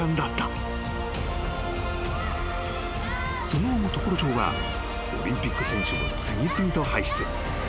［その後も常呂町はオリンピック選手を次々と輩出］